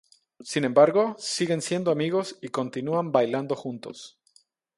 Sin embargo, siguen siendo amigos y continúan bailando juntos.